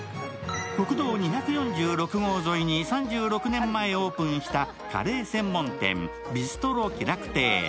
国道２４６号沿いに３６年前オープンした、カレー専門店・ビストロ喜楽亭。